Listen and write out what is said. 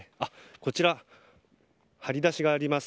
こちら、張り出しがあります。